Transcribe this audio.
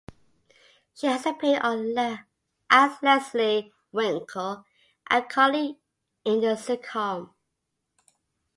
She has appeared as Leslie Winkle, a colleague in the sitcom.